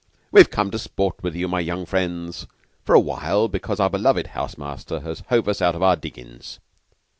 "We've come to sport with you, my young friends, for a while, because our beloved house master has hove us out of our diggin's."